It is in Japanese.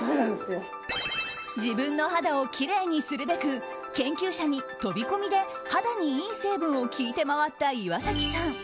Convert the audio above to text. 自分の肌をきれいにするべく研究者に飛び込みで肌にいい成分を聞いて回った岩崎さん。